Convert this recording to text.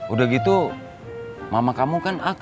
udah gitu mama kamu kan akrab ya